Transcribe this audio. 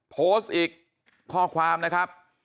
โพสต์อีกข้อความนะครับ